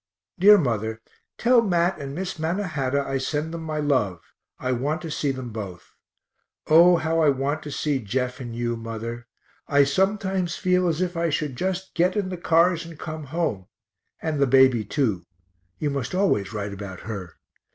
Dear mother, tell Mat and Miss Mannahatta I send them my love I want to see them both. O how I want to see Jeff and you, mother; I sometimes feel as if I should just get in the cars and come home and the baby too, you must always write about her.